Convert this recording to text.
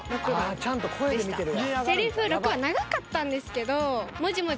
［ちゃんと声で見てるわ］